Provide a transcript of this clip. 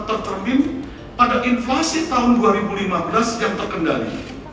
terbit pada inflasi tahun dua ribu lima belas yang terkendali